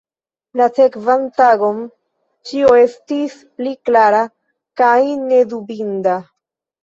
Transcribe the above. La sekvan tagon ĉio estis pli klara kaj nedubinda.